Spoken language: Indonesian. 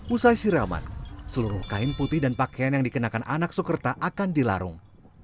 usai siraman seluruh kain putih dan pakaian yang dikenakan anak sokerta akan dilarung